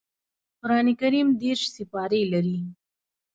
قران کريم دېرش سپاري لري